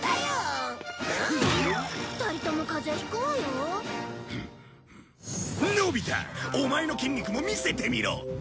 オマエの筋肉も見せてみろ！